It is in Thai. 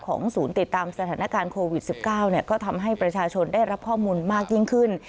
ศูนย์ติดตามสถานการณ์โควิด๑๙ก็ทำให้ประชาชนได้รับข้อมูลมากยิ่งขึ้น